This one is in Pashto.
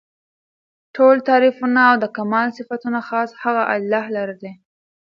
ټول تعريفونه او د کمال صفتونه خاص هغه الله لره دي